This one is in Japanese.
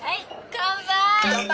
乾杯！